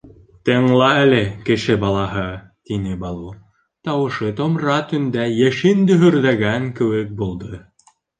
— Тыңла әле, кеше балаһы, — тине Балу, тауышы томра төндә йәшен дөһөрҙәгән кеүек булды.